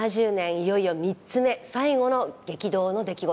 いよいよ３つ目最後の激動の出来事です。